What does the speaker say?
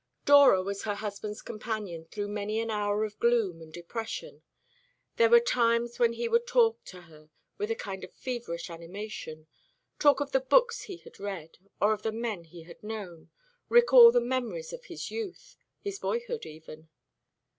Dora was her husband's companion through many an hour of gloom and depression. There were times when he would talk to her with a kind of feverish animation talk of the books he had read, or of the men he had known recall the memories of his youth his boyhood even.